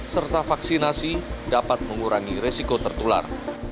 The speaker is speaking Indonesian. serta vaksinasi dapat mengurangi resiko tertular